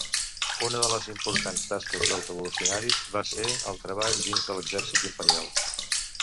Una de les importants tasques dels revolucionaris va ser el treball dins de l'exèrcit imperial.